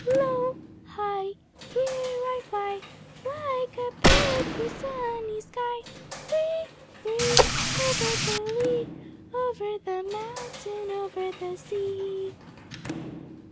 Low, high, Here I fly, Like a bird through sunny sky; Free, free, Over the lea, Over the mountain, over the sea!